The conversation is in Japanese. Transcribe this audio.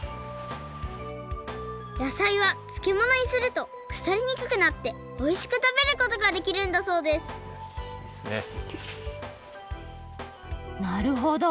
やさいはつけものにするとくさりにくくなっておいしくたべることができるんだそうですなるほど。